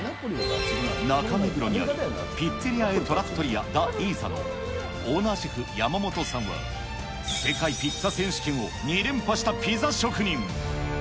中目黒にある、ピッツェリア・エ・トラットリア・ダ・イーサのオーナーシェフ、山本さんは、世界ピッツァ選手権を２連覇したピザ職人。